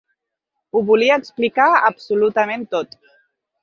Ho volia explicar absolutament tot.